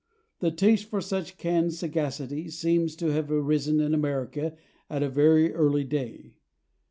The taste for such canned sagacity seems to have arisen in America at a very early day.